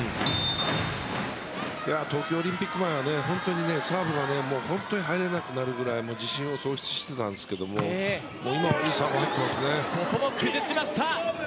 東京オリンピック前まではサーブが本当に入らなくなるぐらい自信喪失していたんですが今はいいサーブが入ってますね。